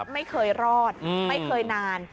ไม่เคยรอดไม่เคยนาน